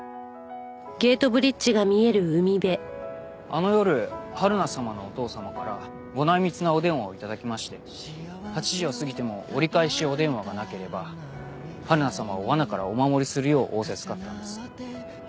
あの夜はるな様のお父様からご内密なお電話を頂きまして８時を過ぎても折り返しお電話がなければはるな様を罠からお守りするよう仰せつかったんです。